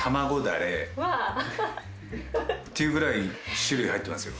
「ていうぐらい種類入ってますよ。